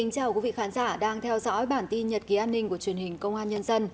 chào mừng quý vị đến với bản tin nhật ký an ninh của truyền hình công an nhân dân